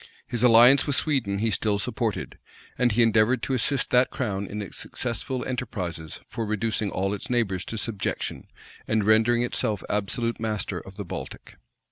His alliance with Sweden he still supported; and he endeavored to assist that crown in its successful enterprises for reducing all its neighbors to subjection, and rendering itself absolute master of the Baltic.